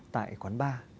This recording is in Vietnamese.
tại quán bar